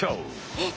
えっ！